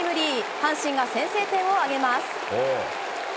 阪神が先制点を挙げます。